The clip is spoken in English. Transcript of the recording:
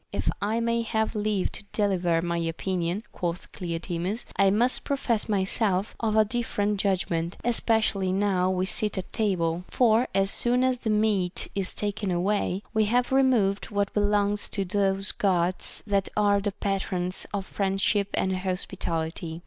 If I may have leave to deliver my opinion, quoth Cleoclemus, I must profess myself of a different judgment, especially now we sit at table ; for as soon as the meat is taken away, we have removed what belongs to those Gods that are the patrons of friendship and hospitality.